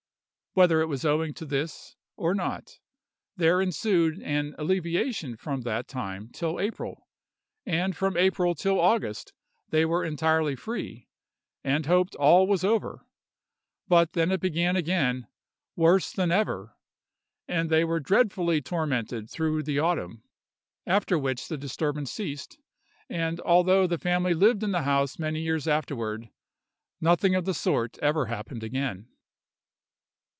Whether it was owing to this or not, there ensued an alleviation from that time till April, and from April till August they were entirely free, and hoped all was over; but then it began again worse than ever, and they were dreadfully tormented through the autumn; after which the disturbance ceased, and although the family lived in the house many years afterward, nothing of the sort ever happened again.